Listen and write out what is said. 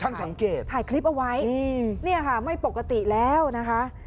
สังเกตถ่ายคลิปเอาไว้เนี่ยค่ะไม่ปกติแล้วนะคะ